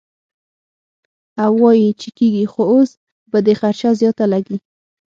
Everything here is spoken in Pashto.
او وائي چې کيږي خو اوس به دې خرچه زياته لګي -